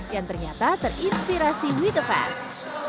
yang ternyata terinspirasi we the fest